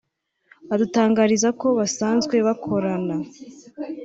adutangariza ko basanzwe bakorana